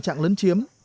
chẳng lấn chiếm